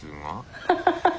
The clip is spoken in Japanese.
ハハハハ。